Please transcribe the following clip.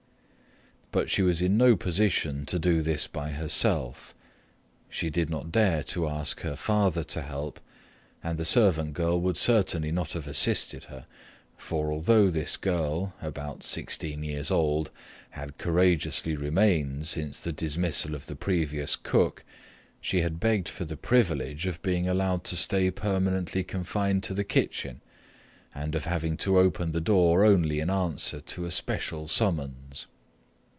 But she was in no position to do this by herself. She did not dare to ask her father to help, and the servant girl would certainly not have assisted her, for although this girl, about sixteen years old, had courageously remained since the dismissal of the previous cook, she had begged for the privilege of being allowed to stay permanently confined to the kitchen and of having to open the door only in answer to a special summons.